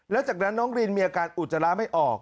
แล้วจากนั้นน้องรินมีอาการอุจจาระไม่ออก